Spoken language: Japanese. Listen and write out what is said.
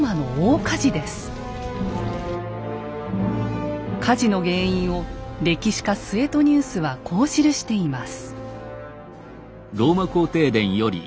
火事の原因を歴史家・スエトニウスはこう記しています。